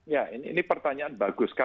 ya ini pertanyaan bagus